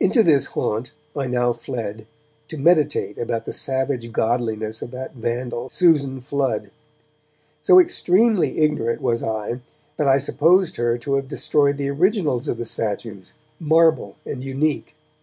Into this haunt I now fled to meditate about the savage godliness of that vandal, Susan Flood. So extremely ignorant was I that I supposed her to have destroyed the originals of the statues, marble and unique.